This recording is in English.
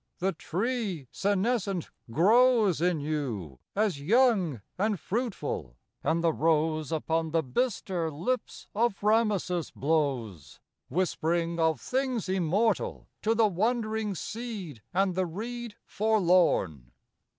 the tree senescent grows In you as young as fruitful, and the rose Upon the bistre lips of Ramesis blows, Whispering of things immortal to the wandering seed and the reed forlorn.